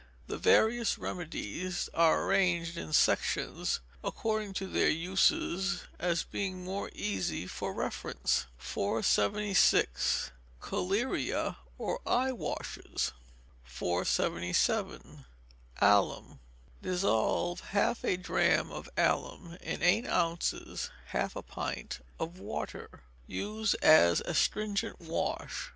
The various remedies are arranged in sections, according to their uses, as being more easy for reference, 476. Collyria, or Eye Washes 477. Alum. Dissolve half a drachm of alum in eight ounces (half a pint) of water. Use as astringent wash.